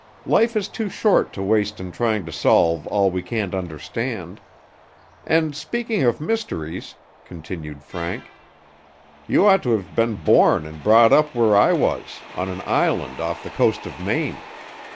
Life is too short to waste in trying to solve all we can't understand. And speaking of mysteries," continued Frank, "you ought to have been born and brought up where I was, on an island off the coast of Maine.